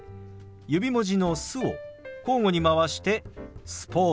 指文字の「す」を交互に回して「スポーツ」。